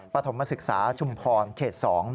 ปฐมศึกษาชุมพรเขต๒